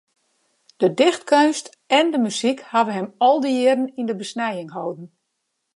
De dichtkeunst en de muzyk hawwe him al dy jierren yn de besnijing holden.